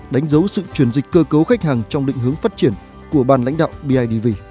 đánh dấu sự chuyển dịch cơ cấu khách hàng trong định hướng phát triển của ban lãnh đạo bidv